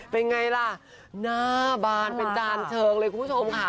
เป็นไงล่ะหน้าบานเป็นจานเชิงเลยคุณผู้ชมค่ะ